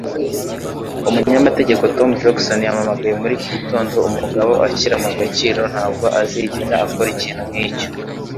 Umunyamategeko witwa Tom Jackson yampamagaye muri iki gitondo. Umugabo ushyira mu gaciro ntabwo azigera akora ikintu nkicyo.